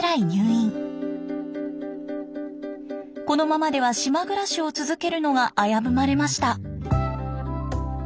このままでは島暮らしを続けるのが危ぶまれました。